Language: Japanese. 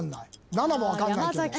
７も分かんないけど。